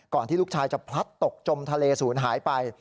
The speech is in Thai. ที่ลูกชายจะพลัดตกจมทะเลศูนย์หายไป